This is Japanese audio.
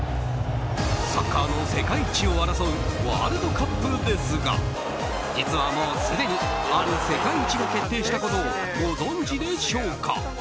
サッカーの世界一を争うワールドカップですが実は、もうすでにある世界一が決定したことをご存知でしょうか。